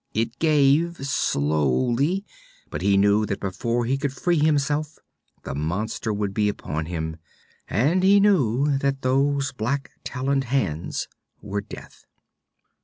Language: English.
It gave slowly, but he knew that before he could free himself the monster would be upon him, and he knew that those black taloned hands were death.